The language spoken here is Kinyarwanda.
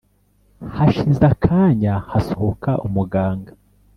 Hashize akanya hasohoka umuganga